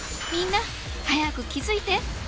みんな早く気づいて！